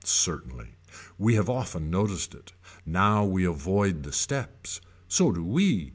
Certainly. We have often noticed it. Now we avoid the steps. So do we.